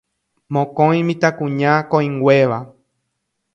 mokõi mitãkuña koĩnguéva.